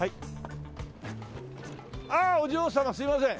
あっお嬢様すいません。